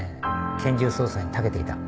拳銃操作にたけていた。